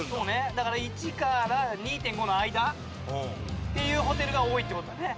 だから１２．５の間っていうホテルが多いって事だね。